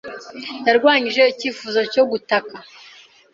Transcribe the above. yarwanyije icyifuzo cyo gutaka.